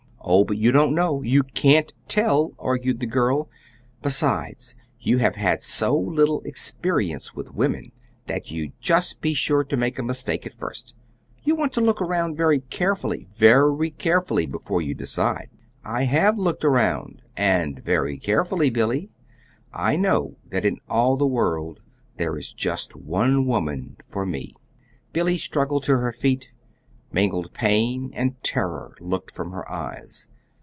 "Oh, but you don't know, you can't tell," argued the girl. "Besides, you have had so little experience with women that you'd just be sure to make a mistake at first. You want to look around very carefully very carefully, before you decide." "I have looked around, and very carefully, Billy. I know that in all the world there is just one woman for me." Billy struggled to her feet. Mingled pain and terror looked from her eyes.